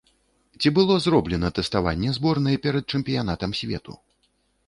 Ці было зроблена тэставанне зборнай перад чэмпіянатам свету?